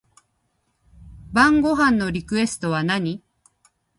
晩ご飯のリクエストは何